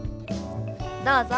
どうぞ。